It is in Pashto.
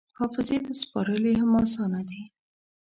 حافظې ته سپارل یې هم اسانه دي.